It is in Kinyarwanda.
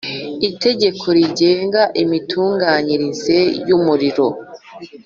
Itegeko rigenga imitunganyirize y umurimo